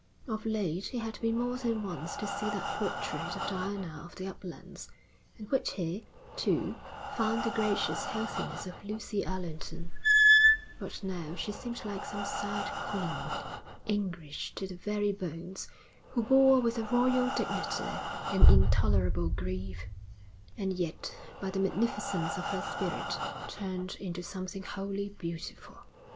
Of late he had been more than once to see that portrait of Diana of the Uplands, in which he, too, found the gracious healthiness of Lucy Allerton; but now she seemed like some sad queen, English to the very bones, who bore with a royal dignity an intolerable grief, and yet by the magnificence of her spirit turned into something wholly beautiful.